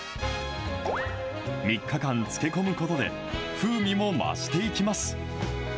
３日間漬け込むことで、風味も増していきます。